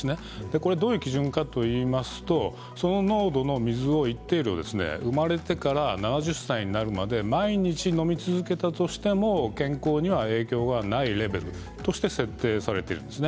これはどういう基準かといいますとその濃度の水を一定量生まれてから７０歳になるまで毎日、飲み続けたとしても健康には影響がないレベルとして設定されています。